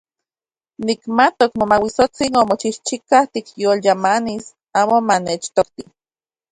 Nikmatok Momauitsotsin omochijchika tikyolyamanis amo manechtokti.